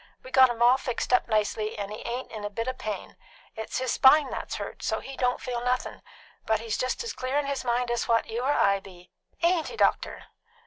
We got him all fixed up nicely, and he ain't in a bit o' pain. It's his spine that's hurt, so't he don't feel nothin'; but he's just as clear in his mind as what you or I be. Ain't he, doctor?"